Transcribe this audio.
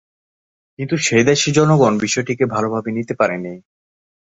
কিন্তু সেই দেশের জনগণ বিষয়টিকে ভালোভাবে নিতে পারেনি।